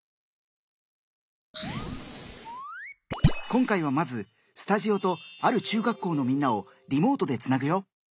今回はまずスタジオとある中学校のみんなをリモートでつなぐよ！